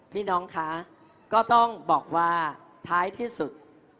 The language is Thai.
พี่น้องคะก็ต้องบอกว่าท้ายที่สุด